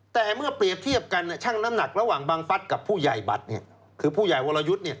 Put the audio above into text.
แต่เมื่อเปรียบเทียบกันช่างน้ำหนักระหว่างบังฟัฐกับผู้ใหญ่บัตรคือผู้ใหญ่วรยุทธ์